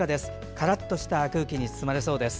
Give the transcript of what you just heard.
カラッとした空気に包まれそうです。